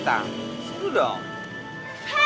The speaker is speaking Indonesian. hai ada magnet dunia